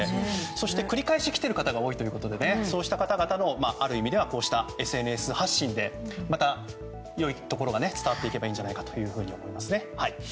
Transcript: そして繰り返し来ている方が多いということでそうした方々のある意味では、ＳＮＳ発信でまた、良いところが伝わっていけばいいかなと。